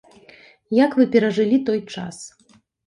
Як вы перажылі той час?